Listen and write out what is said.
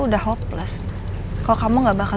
udah hopeless kalau kamu gak bakal